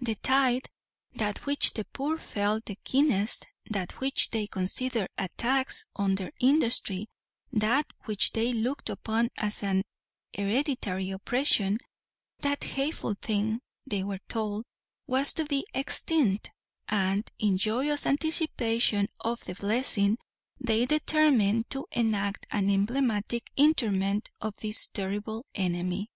The tithe that which the poor felt the keenest; that which they considered a tax on their industry; that which they looked upon as an hereditary oppression; that hateful thing, they were told, was to be extinct, and, in joyous anticipation of the blessing, they determined to enact an emblematic interment of this terrible enemy.